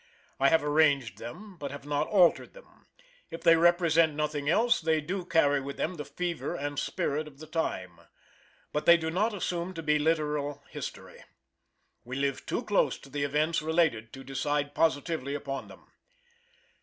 I have arranged them, but have not altered them; if they represent nothing else, they do carry with them the fever and spirit of the time. But they do not assume to be literal history: We live too close to the events related to decide positively upon them.